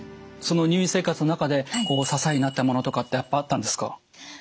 その入院生活の中で支えになったものとかってやっぱりあったんですか？